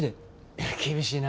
いや厳しいなぁ。